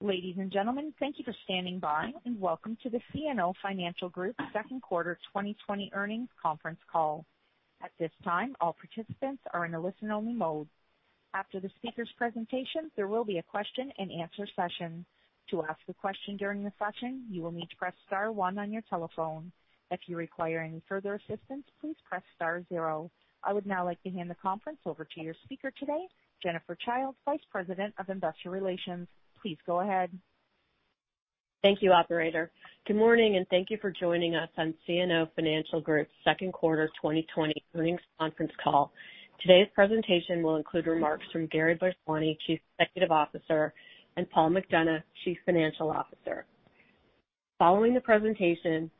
Ladies and gentlemen, thank you for standing by, and welcome to the CNO Financial Group second quarter 2020 earnings conference call. At this time, all participants are in a listen-only mode. After the speakers' presentation, there will be a question and answer session. To ask a question during the session, you will need to press star one on your telephone. If you require any further assistance, please press star zero. I would now like to hand the conference over to your speaker today, Jennifer Childe, Vice President of Investor Relations. Please go ahead. Thank you, operator. Good morning, and thank you for joining us on CNO Financial Group's second quarter 2020 earnings conference call. Today's presentation will include remarks from Gary Bhojwani, Chief Executive Officer, and Paul McDonough, Chief Financial Officer. Following the presentation,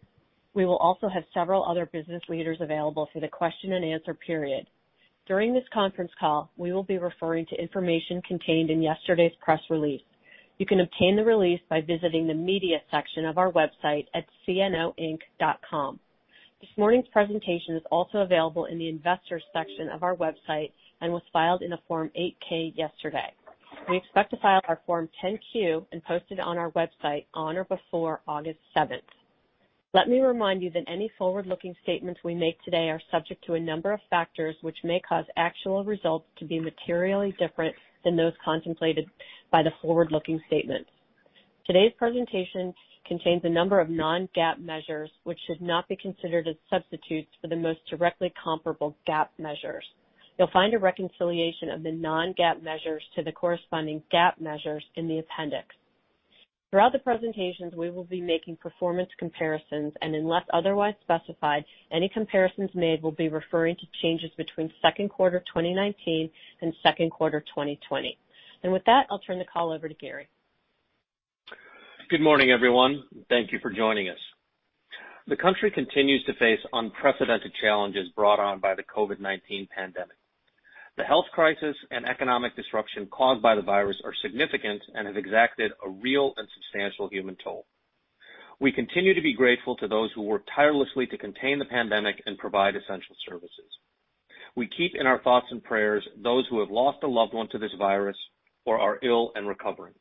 we will also have several other business leaders available for the question and answer period. During this conference call, we will be referring to information contained in yesterday's press release. You can obtain the release by visiting the media section of our website at cnoinc.com. This morning's presentation is also available in the investors section of our website and was filed in a Form 8-K yesterday. We expect to file our Form 10-Q and post it on our website on or before August seventh. Let me remind you that any forward-looking statements we make today are subject to a number of factors which may cause actual results to be materially different than those contemplated by the forward-looking statements. Today's presentation contains a number of non-GAAP measures which should not be considered as substitutes for the most directly comparable GAAP measures. You'll find a reconciliation of the non-GAAP measures to the corresponding GAAP measures in the appendix. Throughout the presentations, we will be making performance comparisons, and unless otherwise specified, any comparisons made will be referring to changes between second quarter 2019 and second quarter 2020. With that, I'll turn the call over to Gary. Good morning, everyone. Thank you for joining us. The country continues to face unprecedented challenges brought on by the COVID-19 pandemic. The health crisis and economic disruption caused by the virus are significant and have exacted a real and substantial human toll. We continue to be grateful to those who work tirelessly to contain the pandemic and provide essential services. We keep in our thoughts and prayers those who have lost a loved one to this virus or are ill and recovering.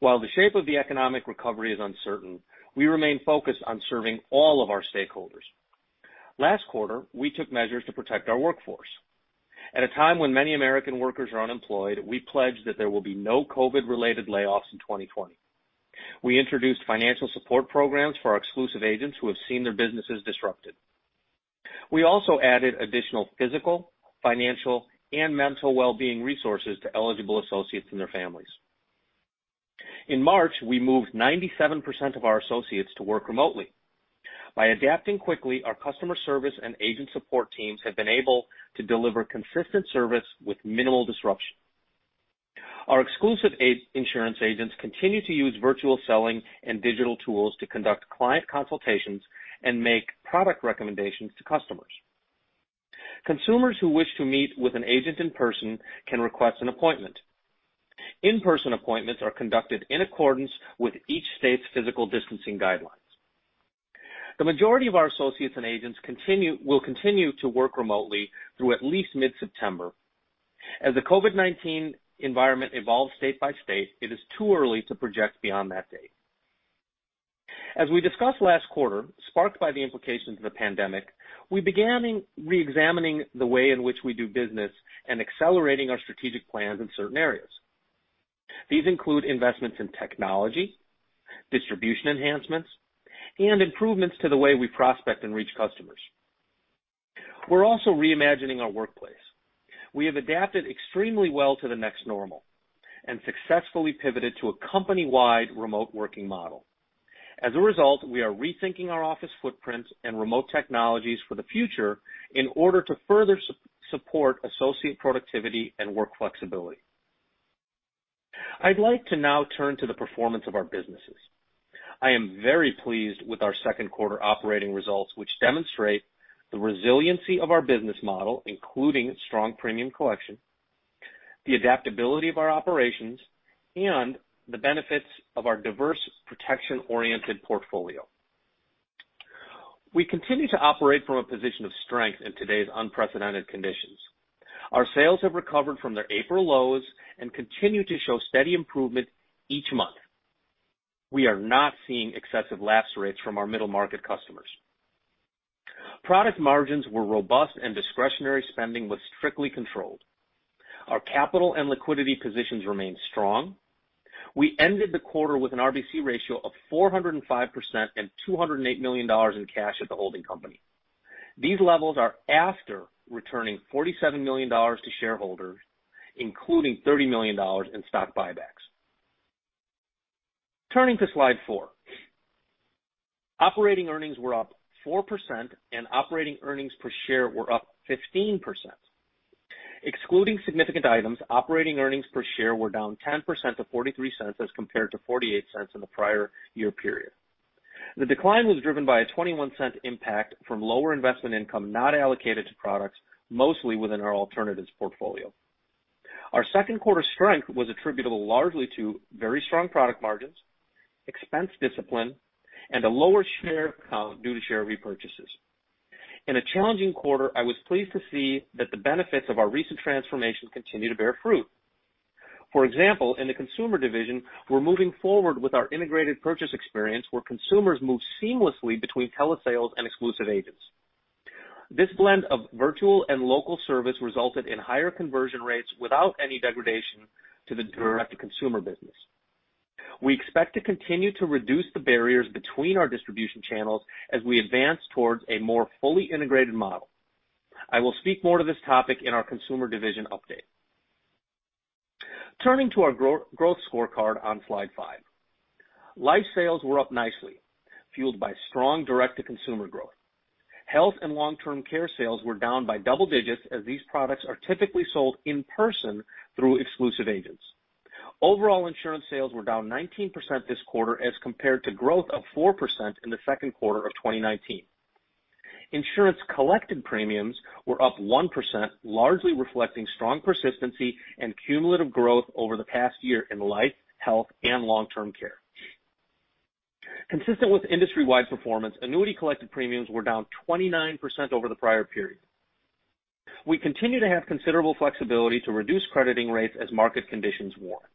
While the shape of the economic recovery is uncertain, we remain focused on serving all of our stakeholders. Last quarter, we took measures to protect our workforce. At a time when many American workers are unemployed, we pledge that there will be no COVID-related layoffs in 2020. We introduced financial support programs for our exclusive agents who have seen their businesses disrupted. We also added additional physical, financial, and mental well-being resources to eligible associates and their families. In March, we moved 97% of our associates to work remotely. By adapting quickly, our customer service and agent support teams have been able to deliver consistent service with minimal disruption. Our exclusive insurance agents continue to use virtual selling and digital tools to conduct client consultations and make product recommendations to customers. Consumers who wish to meet with an agent in person can request an appointment. In-person appointments are conducted in accordance with each state's physical distancing guidelines. The majority of our associates and agents will continue to work remotely through at least mid-September. As the COVID-19 environment evolves state by state, it is too early to project beyond that date. As we discussed last quarter, sparked by the implications of the pandemic, we began reexamining the way in which we do business and accelerating our strategic plans in certain areas. These include investments in technology, distribution enhancements, and improvements to the way we prospect and reach customers. We're also reimagining our workplace. We have adapted extremely well to the next normal and successfully pivoted to a company-wide remote working model. As a result, we are rethinking our office footprints and remote technologies for the future in order to further support associate productivity and work flexibility. I'd like to now turn to the performance of our businesses. I am very pleased with our second quarter operating results, which demonstrate the resiliency of our business model, including strong premium collection, the adaptability of our operations, and the benefits of our diverse protection-oriented portfolio. We continue to operate from a position of strength in today's unprecedented conditions. Our sales have recovered from their April lows and continue to show steady improvement each month. We are not seeing excessive lapse rates from our middle market customers. Product margins were robust and discretionary spending was strictly controlled. Our capital and liquidity positions remain strong. We ended the quarter with an RBC ratio of 405% and $208 million in cash at the holding company. These levels are after returning $47 million to shareholders, including $30 million in stock buybacks. Turning to slide four. Operating earnings were up 4% and operating earnings per share were up 15%. Excluding significant items, operating earnings per share were down 10% to $0.43 as compared to $0.48 in the prior year period. The decline was driven by a $0.21 impact from lower investment income not allocated to products, mostly within our alternatives portfolio. Our second quarter strength was attributable largely to very strong product margins, expense discipline, and a lower share count due to share repurchases. In a challenging quarter, I was pleased to see that the benefits of our recent transformation continue to bear fruit. For example, in the consumer division, we're moving forward with our integrated purchase experience where consumers move seamlessly between telesales and exclusive agents. This blend of virtual and local service resulted in higher conversion rates without any degradation to the direct-to-consumer business. We expect to continue to reduce the barriers between our distribution channels as we advance towards a more fully integrated model. I will speak more to this topic in our consumer division update. Turning to our growth scorecard on slide five. Life sales were up nicely, fueled by strong direct-to-consumer growth. Health and long-term care sales were down by double digits as these products are typically sold in person through exclusive agents. Overall insurance sales were down 19% this quarter as compared to growth of 4% in the second quarter of 2019. Insurance collected premiums were up 1%, largely reflecting strong persistency and cumulative growth over the past year in life, health, and long-term care. Consistent with industry-wide performance, annuity collected premiums were down 29% over the prior period. We continue to have considerable flexibility to reduce crediting rates as market conditions warrant.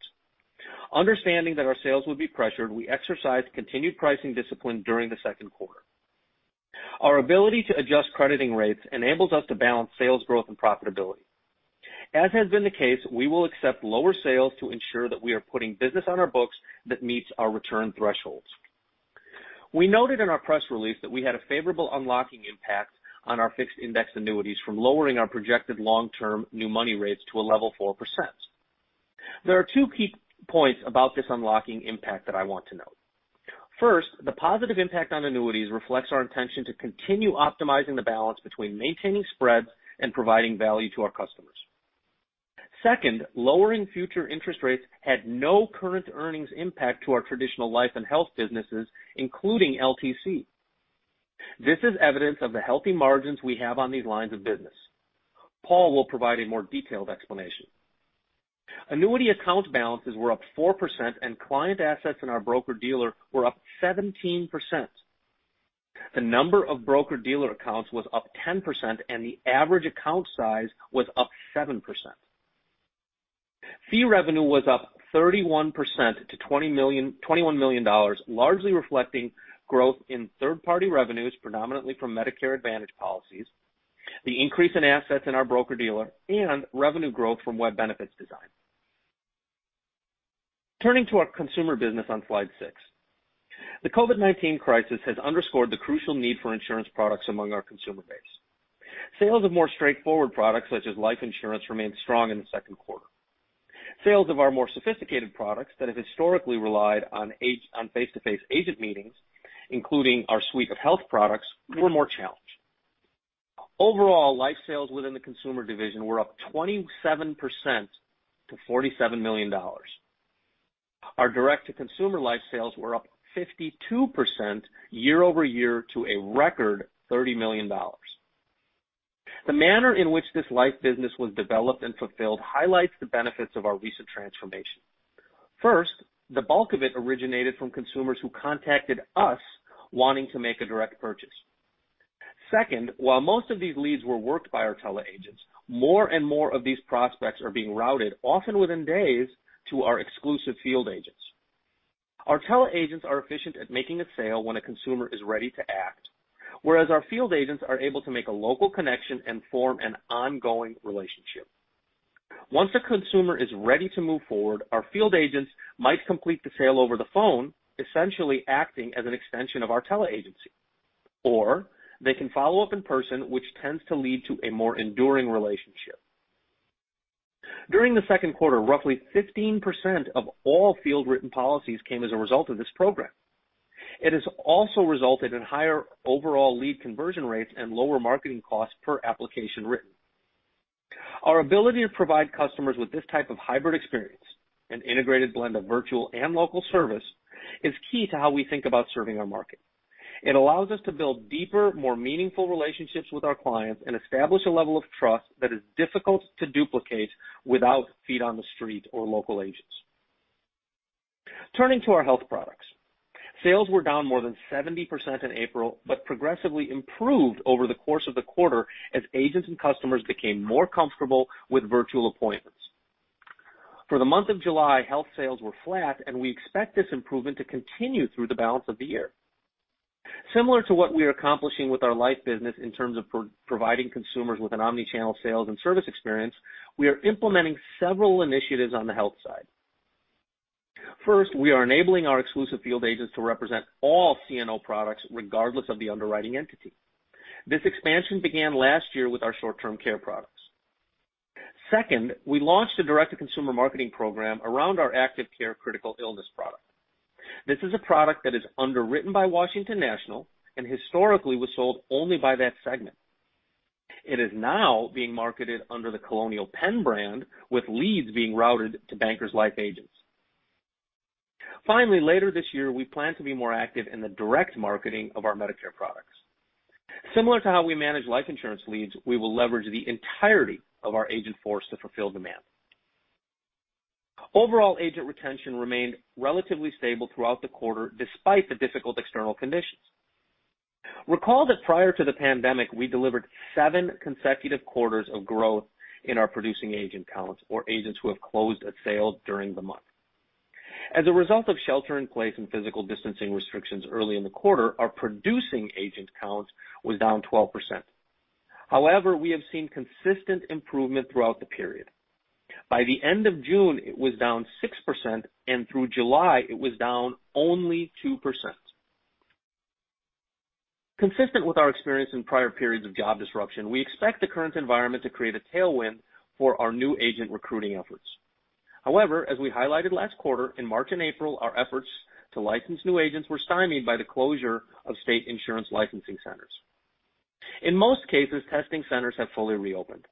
Understanding that our sales would be pressured, we exercised continued pricing discipline during the second quarter. Our ability to adjust crediting rates enables us to balance sales growth and profitability. As has been the case, we will accept lower sales to ensure that we are putting business on our books that meets our return thresholds. We noted in our press release that we had a favorable unlocking impact on our fixed indexed annuities from lowering our projected long-term new money rates to a level 4%. There are two key points about this unlocking impact that I want to note. First, the positive impact on annuities reflects our intention to continue optimizing the balance between maintaining spreads and providing value to our customers. Second, lowering future interest rates had no current earnings impact to our traditional life and health businesses, including LTC. This is evidence of the healthy margins we have on these lines of business. Paul will provide a more detailed explanation. Annuity account balances were up 4%, and client assets in our broker-dealer were up 17%. The number of broker-dealer accounts was up 10%, and the average account size was up 7%. Fee revenue was up 31% to $21 million, largely reflecting growth in third-party revenues, predominantly from Medicare Advantage policies, the increase in assets in our broker-dealer, and revenue growth from Web Benefits Design. Turning to our consumer business on slide six. The COVID-19 crisis has underscored the crucial need for insurance products among our consumer base. Sales of more straightforward products, such as life insurance, remained strong in the second quarter. Sales of our more sophisticated products that have historically relied on face-to-face agent meetings, including our suite of health products, were more challenged. Overall, life sales within the consumer division were up 27% to $47 million. Our direct-to-consumer life sales were up 52% year over year to a record $30 million. The manner in which this life business was developed and fulfilled highlights the benefits of our recent transformation. First, the bulk of it originated from consumers who contacted us wanting to make a direct purchase. Second, while most of these leads were worked by our tele agents, more and more of these prospects are being routed, often within days, to our exclusive field agents. Our tele agents are efficient at making a sale when a consumer is ready to act, whereas our field agents are able to make a local connection and form an ongoing relationship. Once a consumer is ready to move forward, our field agents might complete the sale over the phone, essentially acting as an extension of our tele agency. They can follow up in person, which tends to lead to a more enduring relationship. During the second quarter, roughly 15% of all field-written policies came as a result of this program. It has also resulted in higher overall lead conversion rates and lower marketing costs per application written. Our ability to provide customers with this type of hybrid experience, an integrated blend of virtual and local service, is key to how we think about serving our market. It allows us to build deeper, more meaningful relationships with our clients and establish a level of trust that is difficult to duplicate without feet on the street or local agents. Turning to our health products. Sales were down more than 70% in April, but progressively improved over the course of the quarter as agents and customers became more comfortable with virtual appointments. For the month of July, health sales were flat, and we expect this improvement to continue through the balance of the year. Similar to what we are accomplishing with our life business in terms of providing consumers with an omni-channel sales and service experience, we are implementing several initiatives on the health side. First, we are enabling our exclusive field agents to represent all CNO products regardless of the underwriting entity. This expansion began last year with our short-term care products. Second, we launched a direct-to-consumer marketing program around our Active Care critical illness product. This is a product that is underwritten by Washington National and historically was sold only by that segment. It is now being marketed under the Colonial Penn brand, with leads being routed to Bankers Life agents. Finally, later this year, we plan to be more active in the direct marketing of our Medicare products. Similar to how we manage life insurance leads, we will leverage the entirety of our agent force to fulfill demand. Overall agent retention remained relatively stable throughout the quarter despite the difficult external conditions. Recall that prior to the pandemic, we delivered seven consecutive quarters of growth in our producing agent counts or agents who have closed a sale during the month. As a result of shelter in place and physical distancing restrictions early in the quarter, our producing agent count was down 12%. However, we have seen consistent improvement throughout the period. By the end of June, it was down 6%, and through July it was down only 2%. Consistent with our experience in prior periods of job disruption, we expect the current environment to create a tailwind for our new agent recruiting efforts. However, as we highlighted last quarter, in March and April, our efforts to license new agents were stymied by the closure of state insurance licensing centers. In most cases, testing centers have fully reopened.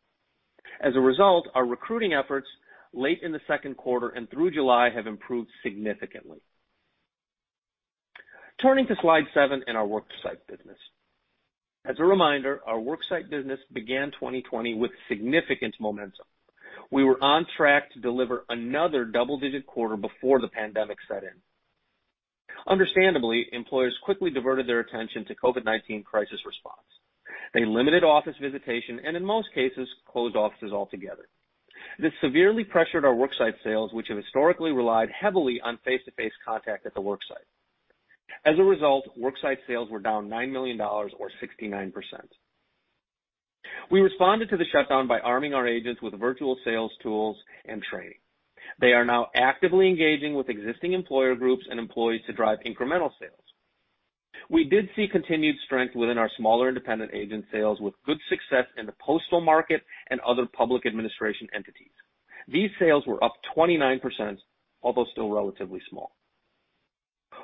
As a result, our recruiting efforts late in the second quarter and through July have improved significantly. Turning to slide seven in our worksite business. As a reminder, our worksite business began 2020 with significant momentum. We were on track to deliver another double-digit quarter before the pandemic set in. Understandably, employers quickly diverted their attention to COVID-19 crisis response. They limited office visitation and in most cases, closed offices altogether. This severely pressured our worksite sales, which have historically relied heavily on face-to-face contact at the worksite. As a result, worksite sales were down $9 million, or 69%. We responded to the shutdown by arming our agents with virtual sales tools and training. They are now actively engaging with existing employer groups and employees to drive incremental sales. We did see continued strength within our smaller independent agent sales, with good success in the postal market and other public administration entities. These sales were up 29%, although still relatively small.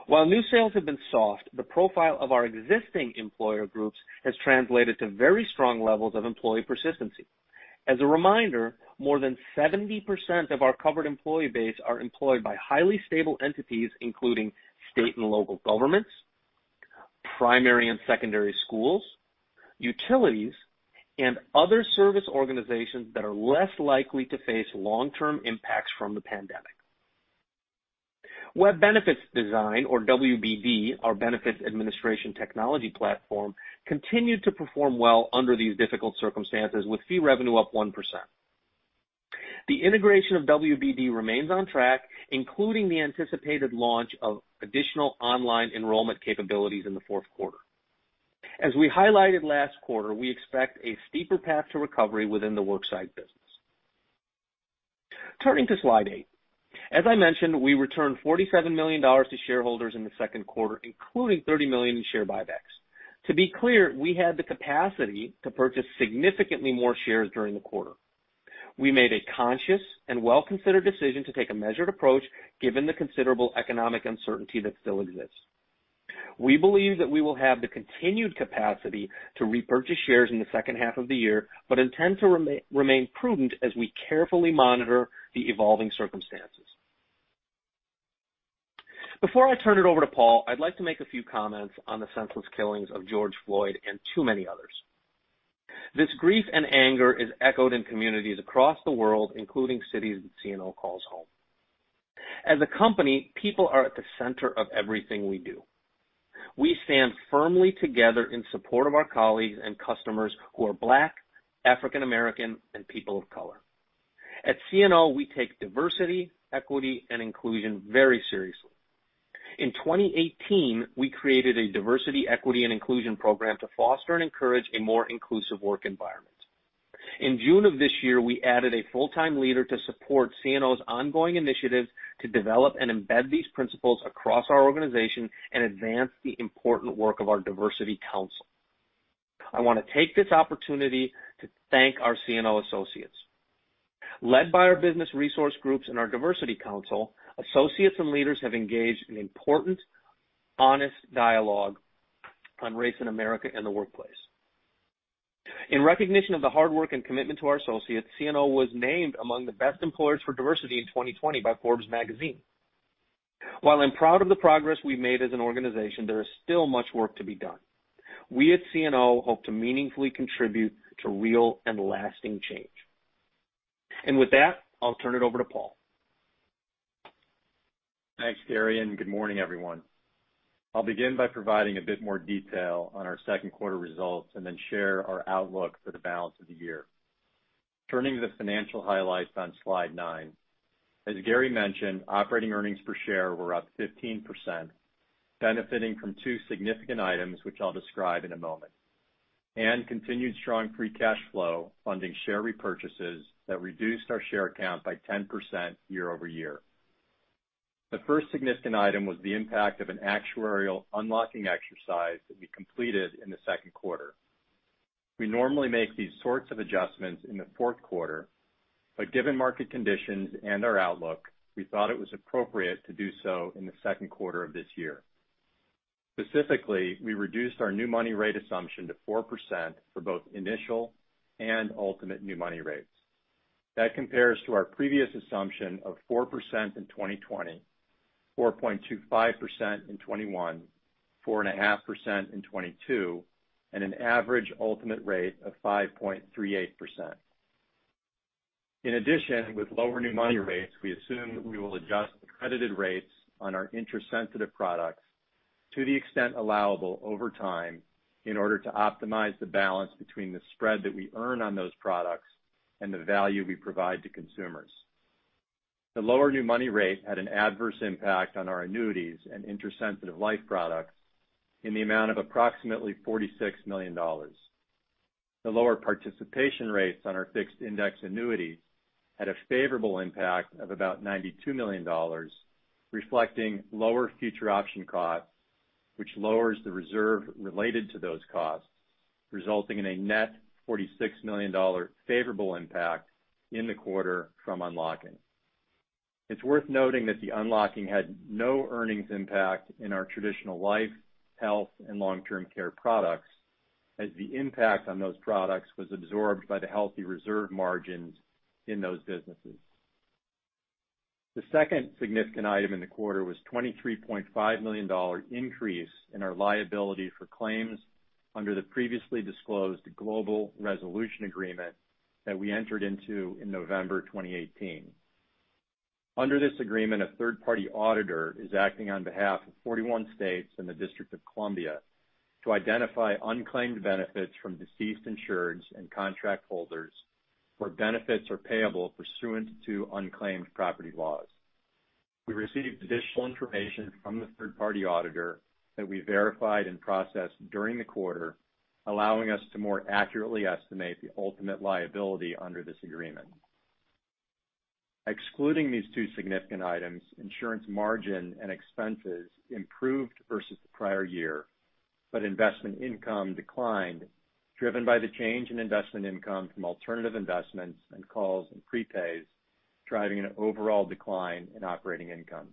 While new sales have been soft, the profile of our existing employer groups has translated to very strong levels of employee persistency. As a reminder, more than 70% of our covered employee base are employed by highly stable entities, including state and local governments, primary and secondary schools, utilities, and other service organizations that are less likely to face long-term impacts from the pandemic. Web Benefits Design, or WBD, our benefits administration technology platform, continued to perform well under these difficult circumstances with fee revenue up 1%. The integration of WBD remains on track, including the anticipated launch of additional online enrollment capabilities in the fourth quarter. As we highlighted last quarter, we expect a steeper path to recovery within the worksite business. Turning to slide eight. As I mentioned, we returned $47 million to shareholders in the second quarter, including $30 million in share buybacks. To be clear, we had the capacity to purchase significantly more shares during the quarter. We made a conscious and well-considered decision to take a measured approach given the considerable economic uncertainty that still exists. Before I turn it over to Paul, I'd like to make a few comments on the senseless killings of George Floyd and too many others. This grief and anger is echoed in communities across the world, including cities that CNO calls home. As a company, people are at the center of everything we do. We stand firmly together in support of our colleagues and customers who are Black, African American, and people of color. At CNO, we take diversity, equity, and inclusion very seriously. In 2018, we created a diversity, equity, and inclusion program to foster and encourage a more inclusive work environment. In June of this year, we added a full-time leader to support CNO's ongoing initiatives to develop and embed these principles across our organization and advance the important work of our diversity council. I want to take this opportunity to thank our CNO associates. Led by our business resource groups and our diversity council, associates and leaders have engaged in important, honest dialogue on race in America and the workplace. In recognition of the hard work and commitment to our associates, CNO was named among the best employers for diversity in 2020 by Forbes magazine. While I'm proud of the progress we've made as an organization, there is still much work to be done. We at CNO hope to meaningfully contribute to real and lasting change. With that, I'll turn it over to Paul. Thanks, Gary, and good morning, everyone. I'll begin by providing a bit more detail on our second quarter results and then share our outlook for the balance of the year. Turning to the financial highlights on slide nine. As Gary mentioned, operating earnings per share were up 15%, benefiting from two significant items, which I'll describe in a moment, and continued strong free cash flow funding share repurchases that reduced our share count by 10% year-over-year. The first significant item was the impact of an actuarial unlocking exercise that we completed in the second quarter. We normally make these sorts of adjustments in the fourth quarter, but given market conditions and our outlook, we thought it was appropriate to do so in the second quarter of this year. Specifically, we reduced our new money rate assumption to 4% for both initial and ultimate new money rates. That compares to our previous assumption of 4% in 2020, 4.25% in 2021, 4.5% in 2022, and an average ultimate rate of 5.38%. With lower new money rates, we assume that we will adjust the credited rates on our interest-sensitive products to the extent allowable over time in order to optimize the balance between the spread that we earn on those products and the value we provide to consumers. The lower new money rate had an adverse impact on our annuities and interest-sensitive life products in the amount of approximately $46 million. The lower participation rates on our fixed indexed annuities had a favorable impact of about $92 million, reflecting lower future option costs, which lowers the reserve related to those costs, resulting in a net $46 million favorable impact in the quarter from unlocking. It's worth noting that the unlocking had no earnings impact in our traditional life, health, and long-term care products, as the impact on those products was absorbed by the healthy reserve margins in those businesses. The second significant item in the quarter was a $23.5 million increase in our liability for claims under the previously disclosed global resolution agreement that we entered into in November 2018. Under this agreement, a third-party auditor is acting on behalf of 41 states and the District of Columbia to identify unclaimed benefits from deceased insureds and contract holders where benefits are payable pursuant to unclaimed property laws. We received additional information from the third-party auditor that we verified and processed during the quarter, allowing us to more accurately estimate the ultimate liability under this agreement. Excluding these two significant items, insurance margin and expenses improved versus the prior year, investment income declined, driven by the change in investment income from alternative investments and calls and prepays, driving an overall decline in operating income.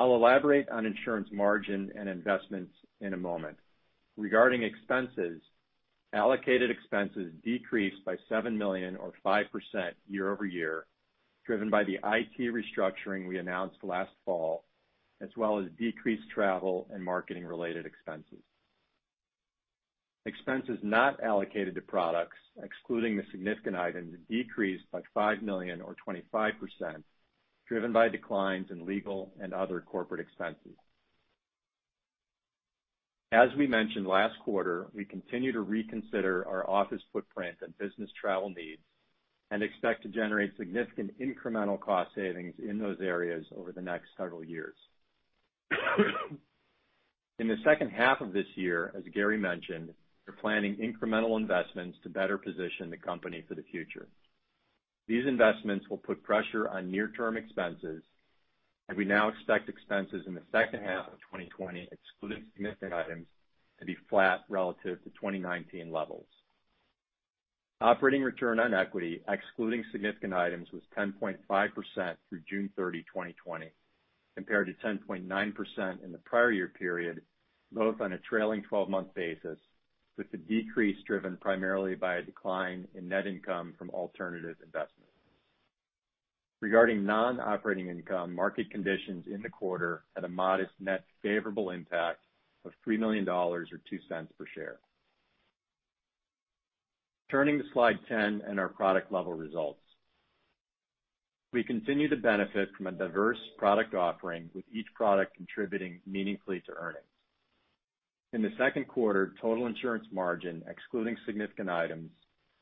I'll elaborate on insurance margin and investments in a moment. Regarding expenses, allocated expenses decreased by $7 million or 5% year-over-year, driven by the IT restructuring we announced last fall, as well as decreased travel and marketing-related expenses. Expenses not allocated to products, excluding the significant items, decreased by $5 million or 25%, driven by declines in legal and other corporate expenses. As we mentioned last quarter, we continue to reconsider our office footprint and business travel needs and expect to generate significant incremental cost savings in those areas over the next several years. In the second half of this year, as Gary mentioned, we are planning incremental investments to better position the company for the future. These investments will put pressure on near-term expenses, and we now expect expenses in the second half of 2020, excluding significant items, to be flat relative to 2019 levels. Operating return on equity, excluding significant items, was 10.5% through June 30, 2020, compared to 10.9% in the prior year period, both on a trailing 12-month basis, with the decrease driven primarily by a decline in net income from alternative investments. Regarding non-operating income, market conditions in the quarter had a modest net favorable impact of $3 million or $0.02 per share. Turning to slide 10 and our product level results. We continue to benefit from a diverse product offering, with each product contributing meaningfully to earnings. In the second quarter, total insurance margin, excluding significant items,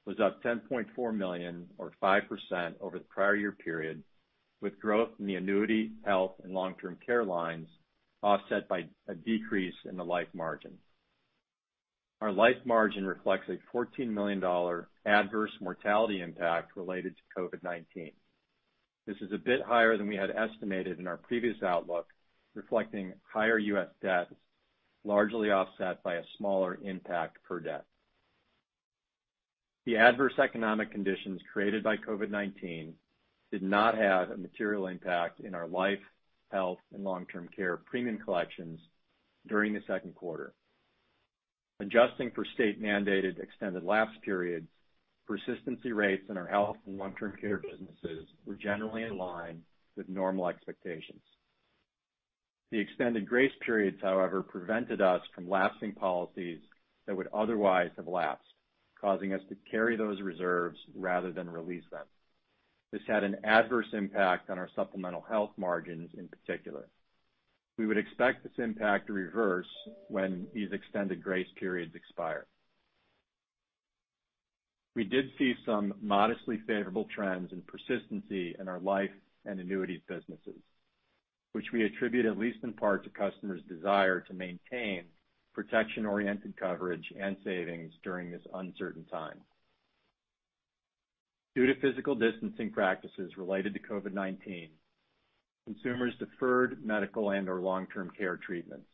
was up $10.4 million or 5% over the prior year period, with growth in the annuity, health, and long-term care lines offset by a decrease in the life margin. Our life margin reflects a $14 million adverse mortality impact related to COVID-19. This is a bit higher than we had estimated in our previous outlook, reflecting higher U.S. deaths, largely offset by a smaller impact per death. The adverse economic conditions created by COVID-19 did not have a material impact in our life, health, and long-term care premium collections during the second quarter. Adjusting for state-mandated extended lapse periods, persistency rates in our health and long-term care businesses were generally in line with normal expectations. The extended grace periods, however, prevented us from lapsing policies that would otherwise have lapsed, causing us to carry those reserves rather than release them. This had an adverse impact on our supplemental health margins in particular. We would expect this impact to reverse when these extended grace periods expire. We did see some modestly favorable trends in persistency in our life and annuities businesses, which we attribute at least in part to customers' desire to maintain protection-oriented coverage and savings during this uncertain time. Due to physical distancing practices related to COVID-19, consumers deferred medical and/or long-term care treatments.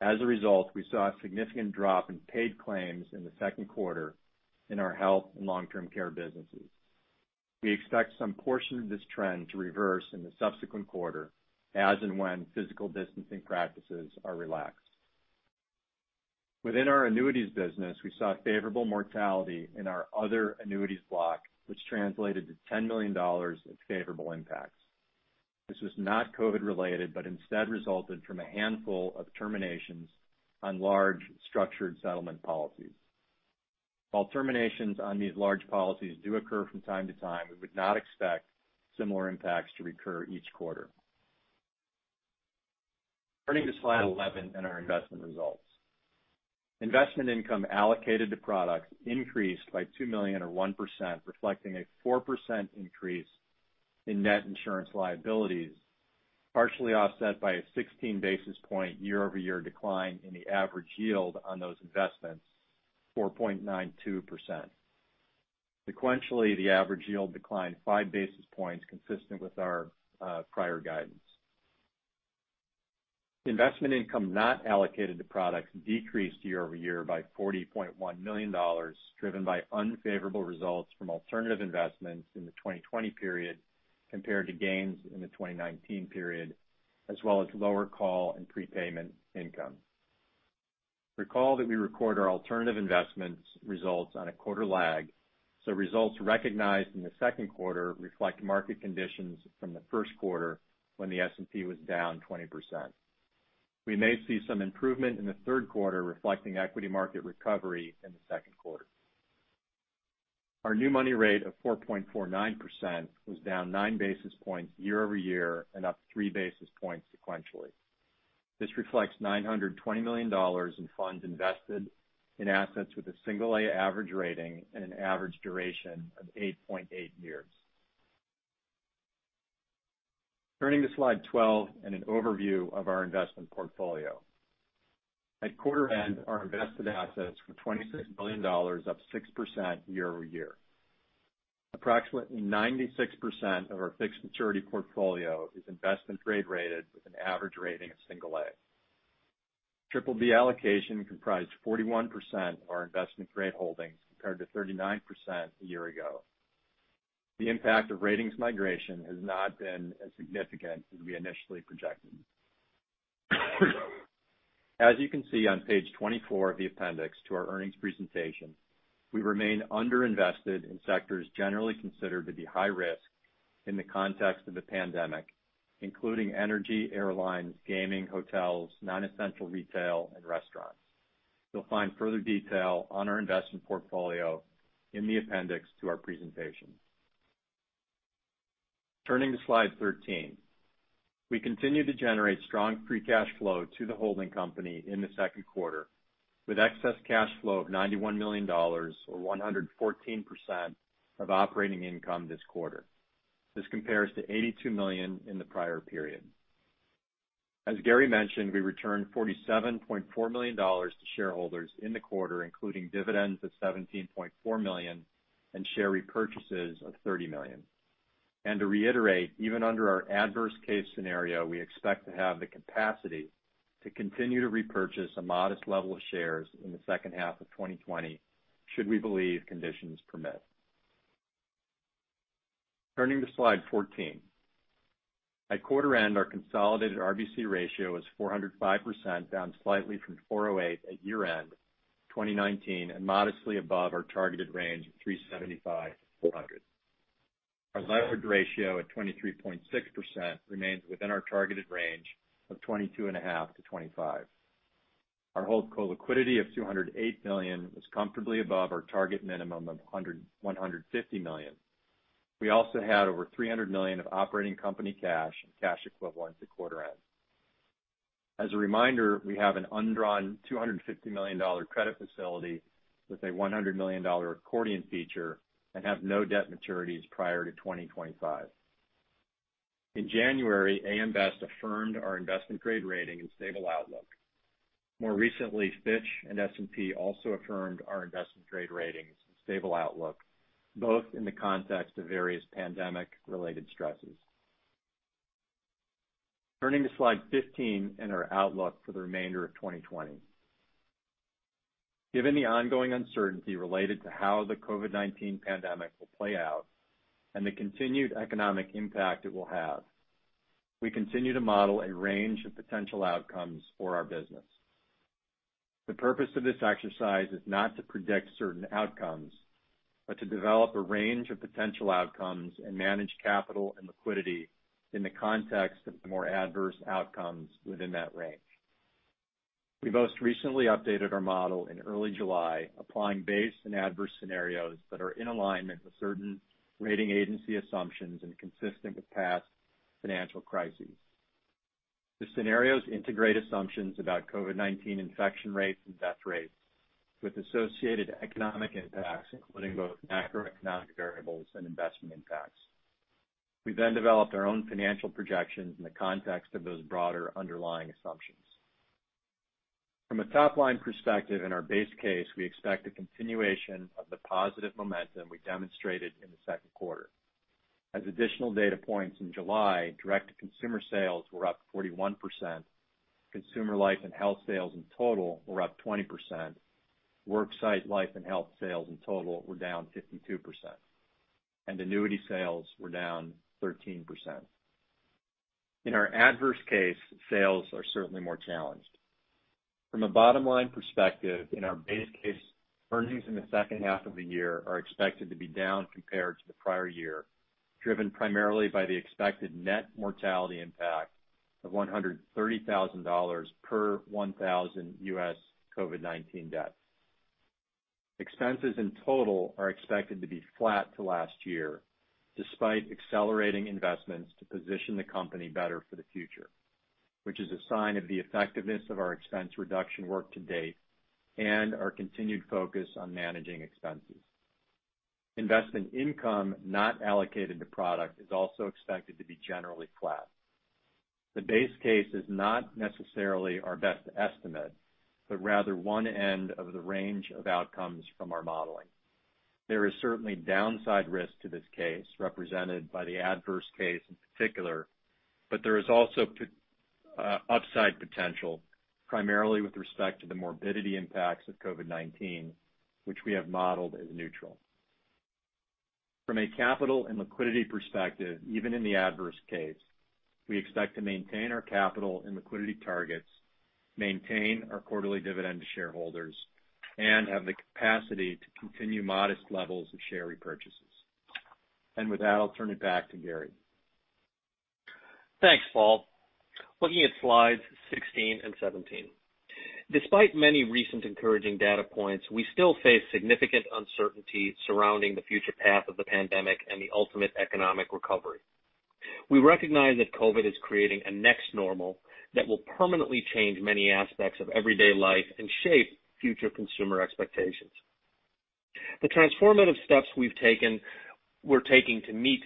As a result, we saw a significant drop in paid claims in the second quarter in our health and long-term care businesses. We expect some portion of this trend to reverse in the subsequent quarter as and when physical distancing practices are relaxed. Within our annuities business, we saw favorable mortality in our other annuities block, which translated to $10 million of favorable impacts. This was not COVID-related, but instead resulted from a handful of terminations on large structured settlement policies. While terminations on these large policies do occur from time to time, we would not expect similar impacts to recur each quarter. Turning to slide 11 and our investment results. Investment income allocated to products increased by $2 million, or 1%, reflecting a 4% increase in net insurance liabilities, partially offset by a 16-basis-point year-over-year decline in the average yield on those investments, 4.92%. Sequentially, the average yield declined five basis points consistent with our prior guidance. Investment income not allocated to products decreased year-over-year by $40.1 million, driven by unfavorable results from alternative investments in the 2020 period compared to gains in the 2019 period, as well as lower call and prepayment income. Recall that we record our alternative investments results on a quarter lag. Results recognized in the second quarter reflect market conditions from the first quarter, when the S&P was down 20%. We may see some improvement in the third quarter reflecting equity market recovery in the second quarter. Our new money rate of 4.49% was down nine basis points year-over-year and up three basis points sequentially. This reflects $920 million in funds invested in assets with a single A average rating and an average duration of 8.8 years. Turning to slide 12 and an overview of our investment portfolio. At quarter end, our invested assets were $26 billion, up 6% year-over-year. Approximately 96% of our fixed maturity portfolio is investment-grade rated with an average rating of single A. Triple B allocation comprised 41% of our investment-grade holdings, compared to 39% a year ago. The impact of ratings migration has not been as significant as we initially projected. As you can see on page 24 of the appendix to our earnings presentation, we remain under-invested in sectors generally considered to be high risk in the context of the pandemic, including energy, airlines, gaming, hotels, non-essential retail, and restaurants. You'll find further detail on our investment portfolio in the appendix to our presentation. Turning to slide 13. We continued to generate strong free cash flow to the holding company in the second quarter, with excess cash flow of $91 million or 114% of operating income this quarter. This compares to $82 million in the prior period. As Gary mentioned, we returned $47.4 million to shareholders in the quarter, including dividends of $17.4 million and share repurchases of $30 million. To reiterate, even under our adverse case scenario, we expect to have the capacity to continue to repurchase a modest level of shares in the second half of 2020 should we believe conditions permit. Turning to slide 14. At quarter end, our consolidated RBC ratio was 405%, down slightly from 408 at year-end 2019 and modestly above our targeted range of 375%-400%. Our leverage ratio of 23.6% remains within our targeted range of 22.5%-25%. Our holdco liquidity of $208 million is comfortably above our target minimum of $150 million. We also had over $300 million of operating company cash and cash equivalents at quarter end. As a reminder, we have an undrawn $250 million credit facility with a $100 million accordion feature and have no debt maturities prior to 2025. In January, AM Best affirmed our investment grade rating and stable outlook. More recently, Fitch and S&P also affirmed our investment grade ratings and stable outlook, both in the context of various pandemic-related stresses. Turning to slide 15 and our outlook for the remainder of 2020. Given the ongoing uncertainty related to how the COVID-19 pandemic will play out and the continued economic impact it will have, we continue to model a range of potential outcomes for our business. The purpose of this exercise is not to predict certain outcomes, but to develop a range of potential outcomes and manage capital and liquidity in the context of the more adverse outcomes within that range. We most recently updated our model in early July, applying base and adverse scenarios that are in alignment with certain rating agency assumptions and consistent with past financial crises. The scenarios integrate assumptions about COVID-19 infection rates and death rates with associated economic impacts, including both macroeconomic variables and investment impacts. We then developed our own financial projections in the context of those broader underlying assumptions. From a top-line perspective in our base case, we expect a continuation of the positive momentum we demonstrated in the second quarter. As additional data points in July, direct-to-consumer sales were up 41%, consumer life and health sales in total were up 20%, worksite life and health sales in total were down 52%, and annuity sales were down 13%. In our adverse case, sales are certainly more challenged. From a bottom-line perspective, in our base case, earnings in the second half of the year are expected to be down compared to the prior year, driven primarily by the expected net mortality impact of $130,000 per 1,000 U.S. COVID-19 deaths. Expenses in total are expected to be flat to last year, despite accelerating investments to position the company better for the future, which is a sign of the effectiveness of our expense reduction work to date and our continued focus on managing expenses. Investment income not allocated to product is also expected to be generally flat. The base case is not necessarily our best estimate, but rather one end of the range of outcomes from our modeling. There is certainly downside risk to this case, represented by the adverse case in particular, but there is also upside potential, primarily with respect to the morbidity impacts of COVID-19, which we have modeled as neutral. From a capital and liquidity perspective, even in the adverse case, we expect to maintain our capital and liquidity targets, maintain our quarterly dividend to shareholders, and have the capacity to continue modest levels of share repurchases. With that, I'll turn it back to Gary. Thanks, Paul. Looking at slides 16 and 17. Despite many recent encouraging data points, we still face significant uncertainty surrounding the future path of the pandemic and the ultimate economic recovery. We recognize that COVID is creating a next normal that will permanently change many aspects of everyday life and shape future consumer expectations. The transformative steps we're taking to meet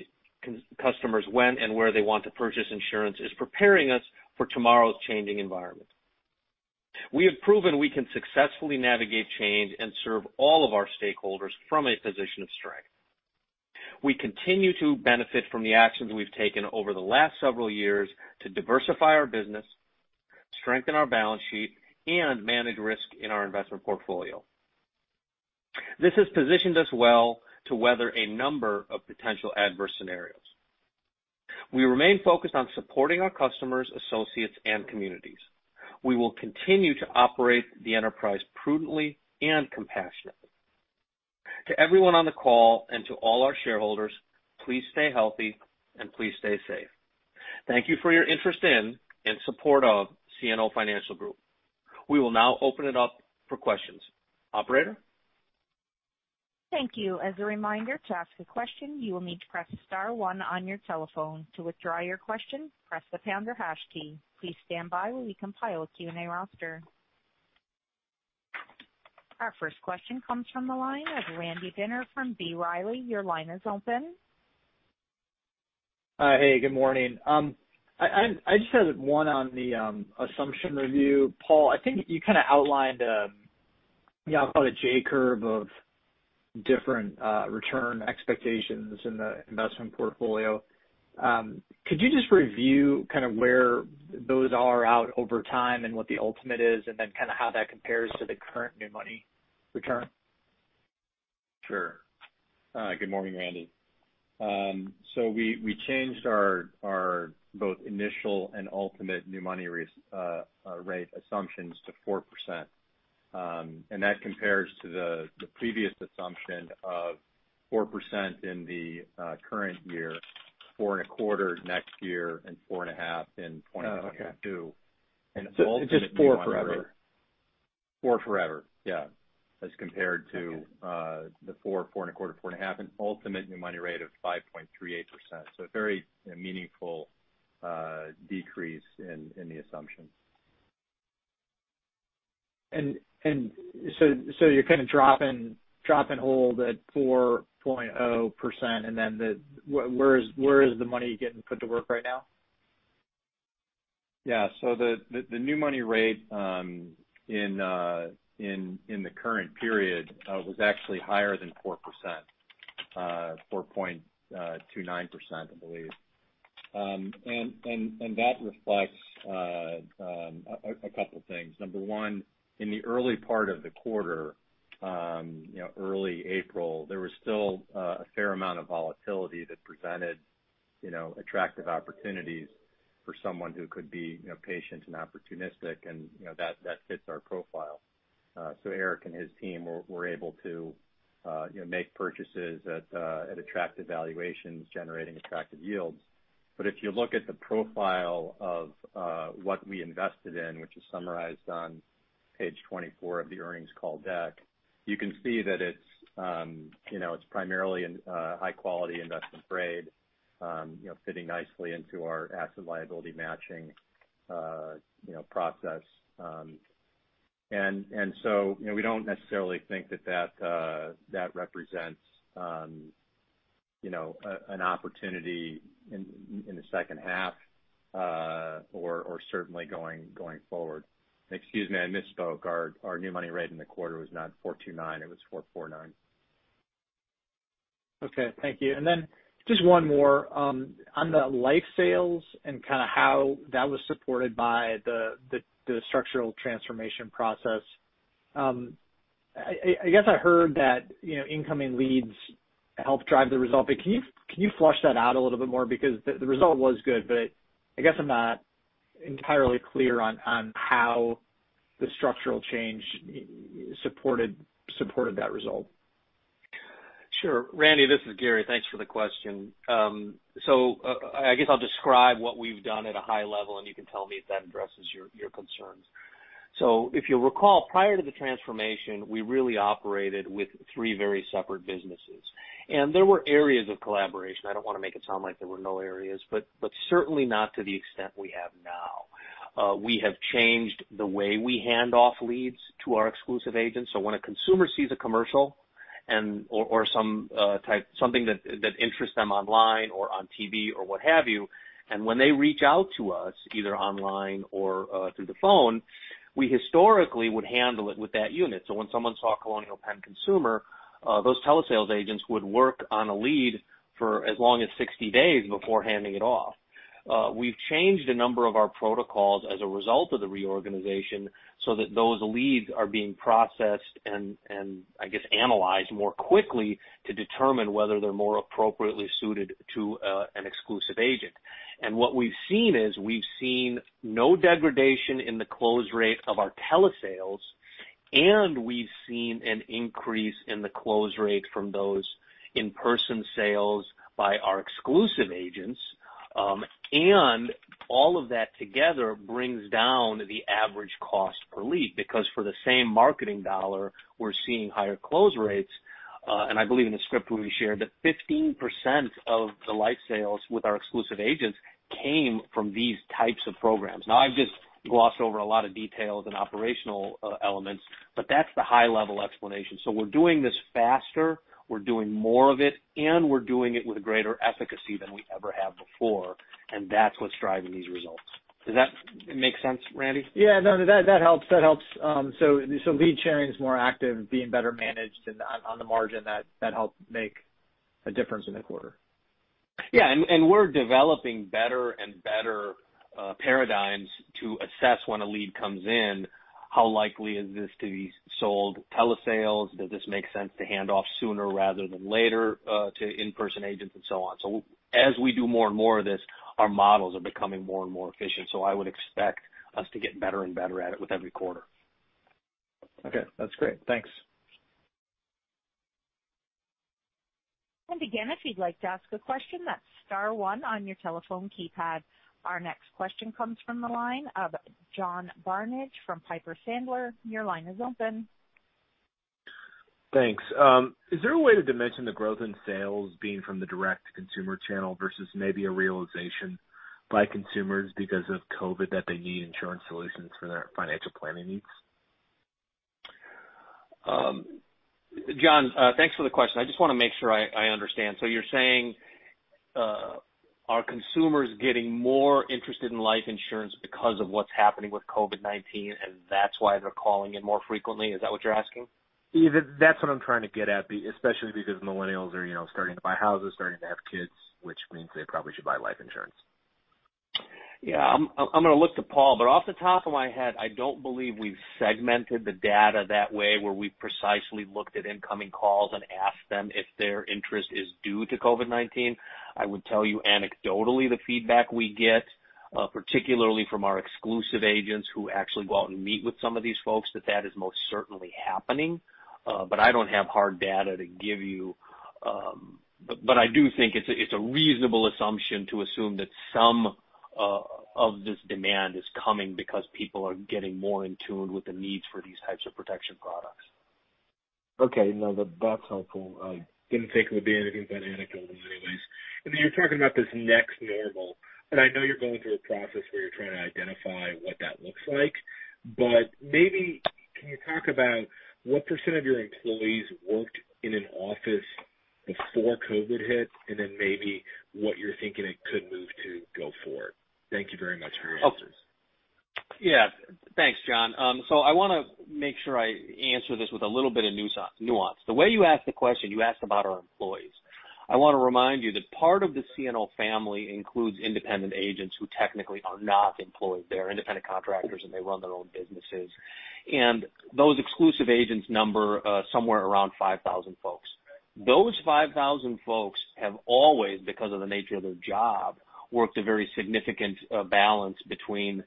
customers when and where they want to purchase insurance is preparing us for tomorrow's changing environment. We have proven we can successfully navigate change and serve all of our stakeholders from a position of strength. We continue to benefit from the actions we've taken over the last several years to diversify our business, strengthen our balance sheet, and manage risk in our investment portfolio. This has positioned us well to weather a number of potential adverse scenarios. We remain focused on supporting our customers, associates, and communities. We will continue to operate the enterprise prudently and compassionately. To everyone on the call and to all our shareholders, please stay healthy and please stay safe. Thank you for your interest in and support of CNO Financial Group. We will now open it up for questions. Operator? Thank you. As a reminder, to ask a question, you will need to press star one on your telephone. To withdraw your question, press the pound or hash key. Please stand by while we compile a Q&A roster. Our first question comes from the line of Randy Binner from B. Riley. Your line is open. Hi. Hey, good morning. I just had one on the assumption review. Paul, I think you kind of outlined a, I'll call it J curve of different return expectations in the investment portfolio. Could you just review where those are out over time and what the ultimate is, and then how that compares to the current new money return? Sure. Good morning, Randy. We changed our both initial and ultimate new money rate assumptions to 4%, and that compares to the previous assumption of 4% in the current year, 4.25% next year, and 4.5% in 2022. Oh, okay. ultimate- Just four forever? Four forever, yeah. Okay the 4.25, 4.5, and ultimate new money rate of 5.38%. A very meaningful decrease in the assumption. You're kind of drop and hold at 4.0%, and then where is the money getting put to work right now? The new money rate in the current period was actually higher than 4%, 4.29%, I believe. That reflects a couple things. Number one, in the early part of the quarter, early April, there was still a fair amount of volatility that presented attractive opportunities for someone who could be patient and opportunistic and that fits our profile. Eric and his team were able to make purchases at attractive valuations, generating attractive yields. If you look at the profile of what we invested in, which is summarized on page 24 of the earnings call deck, you can see that it's primarily in high-quality investment grade, fitting nicely into our asset liability matching process. We don't necessarily think that represents an opportunity in the second half or certainly going forward. Excuse me, I misspoke. Our new money rate in the quarter was not 4.29, it was 4.49. Okay. Thank you. Just one more. On the life sales and how that was supported by the structural transformation process. I guess I heard that incoming leads help drive the result. Can you flesh that out a little bit more? The result was good, but I guess I'm not entirely clear on how the structural change supported that result. Sure. Randy, this is Gary. Thanks for the question. I guess I'll describe what we've done at a high level, and you can tell me if that addresses your concerns. If you'll recall, prior to the transformation, we really operated with three very separate businesses. There were areas of collaboration, I don't want to make it sound like there were no areas, but certainly not to the extent we have now. We have changed the way we hand off leads to our exclusive agents. When a consumer sees a commercial or something that interests them online or on TV or what have you, and when they reach out to us, either online or through the phone, we historically would handle it with that unit. When someone saw Colonial Penn consumer, those telesales agents would work on a lead for as long as 60 days before handing it off. We've changed a number of our protocols as a result of the reorganization so that those leads are being processed and, I guess, analyzed more quickly to determine whether they're more appropriately suited to an exclusive agent. What we've seen is, we've seen no degradation in the close rate of our telesales, and we've seen an increase in the close rate from those in-person sales by our exclusive agents. All of that together brings down the average cost per lead, because for the same marketing dollar, we're seeing higher close rates. I believe in the script we shared that 15% of the life sales with our exclusive agents came from these types of programs. Now, I've just glossed over a lot of details and operational elements, but that's the high-level explanation. We're doing this faster, we're doing more of it, and we're doing it with greater efficacy than we ever have before, and that's what's driving these results. Does that make sense, Randy? Yeah. No, that helps. Lead sharing is more active, being better managed, and on the margin, that helped make a difference in the quarter. Yeah. We're developing better and better paradigms to assess when a lead comes in, how likely is this to be sold telesales? Does this make sense to hand off sooner rather than later to in-person agents and so on? As we do more and more of this, our models are becoming more and more efficient. I would expect us to get better and better at it with every quarter. Okay. That's great. Thanks. Again, if you'd like to ask a question, that's star one on your telephone keypad. Our next question comes from the line of John Barnidge from Piper Sandler. Your line is open. Thanks. Is there a way to dimension the growth in sales being from the direct-to-consumer channel versus maybe a realization by consumers because of COVID-19 that they need insurance solutions for their financial planning needs? John, thanks for the question. I just want to make sure I understand. You're saying, are consumers getting more interested in life insurance because of what's happening with COVID-19, and that's why they're calling in more frequently? Is that what you're asking? That's what I'm trying to get at, especially because millennials are starting to buy houses, starting to have kids, which means they probably should buy life insurance. Yeah. I'm going to look to Paul, but off the top of my head, I don't believe we've segmented the data that way where we precisely looked at incoming calls and asked them if their interest is due to COVID-19. I would tell you anecdotally, the feedback we get, particularly from our exclusive agents who actually go out and meet with some of these folks, that that is most certainly happening. I don't have hard data to give you. I do think it's a reasonable assumption to assume that some of this demand is coming because people are getting more in tune with the needs for these types of protection products. Okay. No, that's helpful. Didn't think there would be anything but anecdotal anyways. You're talking about this next normal, I know you're going through a process where you're trying to identify what that looks like, but maybe can you talk about what percent of your employees worked in an office before COVID-19 hit, then maybe what you're thinking it could move to go forward? Thank you very much for your answers. Thanks, John. I want to make sure I answer this with a little bit of nuance. The way you asked the question, you asked about our employees. I want to remind you that part of the CNO family includes independent agents who technically are not employed. They're independent contractors, they run their own businesses. Those exclusive agents number somewhere around 5,000 folks. Those 5,000 folks have always, because of the nature of their job, worked a very significant balance between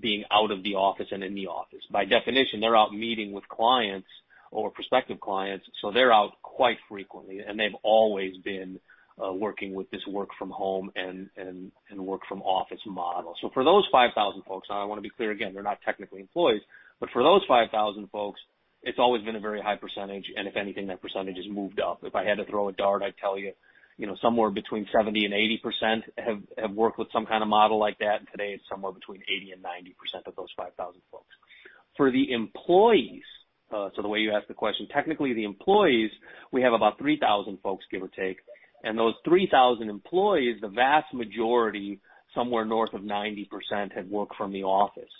being out of the office and in the office. By definition, they're out meeting with clients or prospective clients, so they're out quite frequently, they've always been working with this work from home and work from office model. For those 5,000 folks, I want to be clear, again, they're not technically employees, for those 5,000 folks, it's always been a very high percentage, if anything, that percentage has moved up. If I had to throw a dart, I'd tell you somewhere between 70%-80% have worked with some kind of model like that. Today, it's somewhere between 80%-90% of those 5,000 folks. For the employees, the way you asked the question, technically, the employees, we have about 3,000 folks, give or take, those 3,000 employees, the vast majority, somewhere north of 90%, had worked from the office.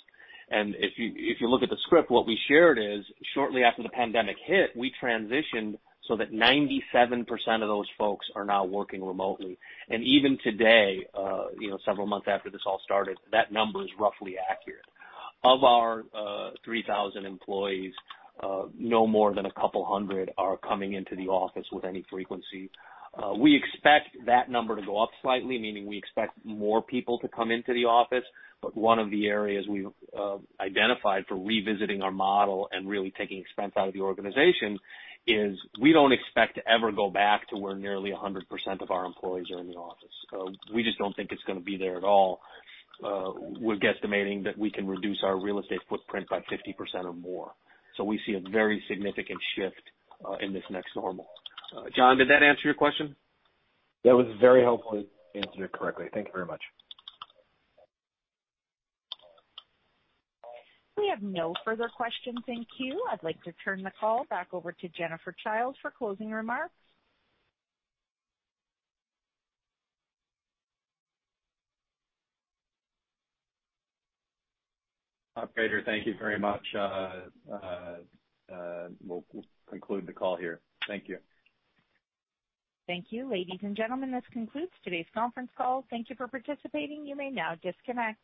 If you look at the script, what we shared is shortly after the pandemic hit, we transitioned so that 97% of those folks are now working remotely. Even today, several months after this all started, that number is roughly accurate. Of our 3,000 employees, no more than a couple hundred are coming into the office with any frequency. We expect that number to go up slightly, meaning we expect more people to come into the office, one of the areas we've identified for revisiting our model and really taking expense out of the organization is we don't expect to ever go back to where nearly 100% of our employees are in the office. We just don't think it's going to be there at all. We're guesstimating that we can reduce our real estate footprint by 50% or more. We see a very significant shift in this next normal. John, did that answer your question? That was very helpfully answered correctly. Thank you very much. We have no further questions in queue. I'd like to turn the call back over to Jennifer Childe for closing remarks. Operator, thank you very much. We'll conclude the call here. Thank you. Thank you. Ladies and gentlemen, this concludes today's conference call. Thank you for participating. You may now disconnect.